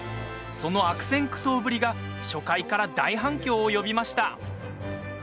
その悪戦苦闘ぶりが初回から大反響を呼びました。